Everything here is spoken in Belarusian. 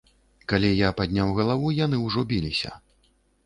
Калі я падняў галаву, яны ўжо біліся.